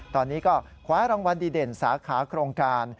ตอนนี้ก็คว้ารางวัลดีเด่นสาขาโครงการ